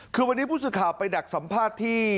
คือวันนี้ผู้สื่อข่าวไปดักสัมภาษณ์ที่